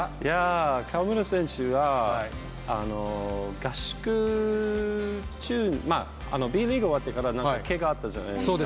河村選手は、合宿中、Ｂリーグ終わってから、けがあったじゃないですか。